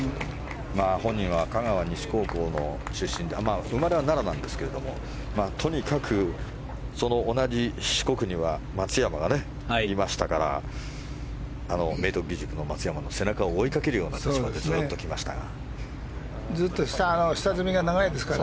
本人は香川西高校の出身で生まれは奈良なんですがとにかくその同じ四国には松山が入りましたから明徳義塾の松山の背中を追いかける形でずっと来ましたから。